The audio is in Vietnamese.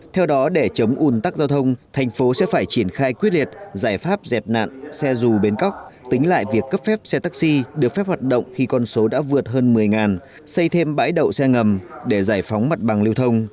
theo đó để chống ủn tắc giao thông thành phố sẽ phải triển khai quyết liệt giải pháp dẹp nạn xe dù bến cóc tính lại việc cấp phép xe taxi được phép hoạt động khi con số đã vượt hơn một mươi xây thêm bãi đậu xe ngầm để giải phóng mặt bằng lưu thông